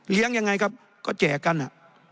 เลี้ยงยังไงครับก็แจกกันอ่ะ